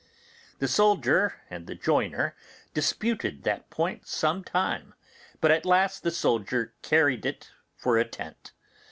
The soldier and the joiner disputed that point some time, but at last the soldier carried it for a tent.